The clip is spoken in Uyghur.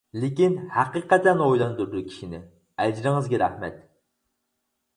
لېكىن ھەقىقەتەن ئويلاندۇرىدۇ كىشىنى، ئەجرىڭىزگە رەھمەت!